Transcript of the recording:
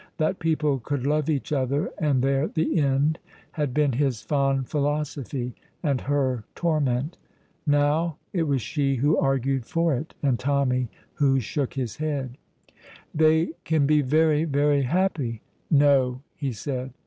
That people could love each other, and there the end, had been his fond philosophy and her torment. Now, it was she who argued for it and Tommy who shook his head. "They can be very, very happy." "No," he said.